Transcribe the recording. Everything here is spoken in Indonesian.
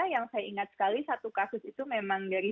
yang saya ingat sekali satu kasus itu memang dari